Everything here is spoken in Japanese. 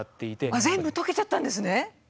全部とけちゃったんですね。